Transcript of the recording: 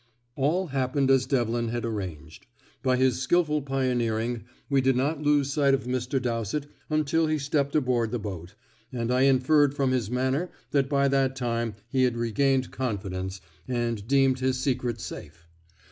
All happened as Devlin had arranged. By his skilful pioneering we did not lose sight of Mr. Dowsett until he stepped aboard the boat, and I inferred from his manner that by that time he had regained confidence, and deemed his secret safe.